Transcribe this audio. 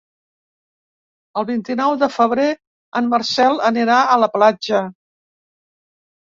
El vint-i-nou de febrer en Marcel anirà a la platja.